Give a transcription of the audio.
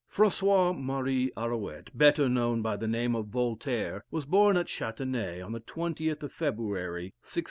François Marie Arouet, better known by the name of Voltaire, was born at Chatenay, on the 20th of February, 1694.